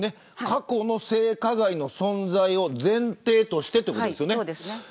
過去の性加害の存在を前提としてということですよね。